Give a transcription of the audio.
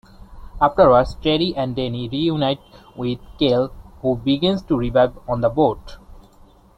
Afterwards, Terri and Danny reunite with Cale, who begins to revive on the boat.